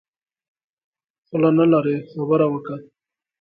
خوله نلرې خبره وکه.